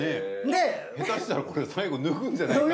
下手したらこれ最後脱ぐんじゃないかという。